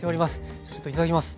じゃあちょっといただきます。